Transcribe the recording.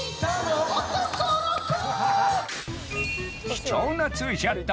貴重なツーショット！